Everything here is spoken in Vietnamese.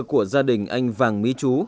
của gia đình anh vàng mỹ chú